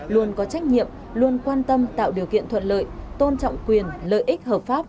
luôn có trách nhiệm luôn quan tâm tạo điều kiện thuận lợi tôn trọng quyền lợi ích hợp pháp